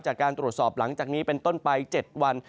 จากการตรวจสอบหลังจากนี้เป็นต้นไป๗วัน